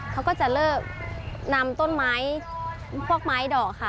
เขาก็จะเลิกนำต้นไม้พวกไม้ดอกค่ะ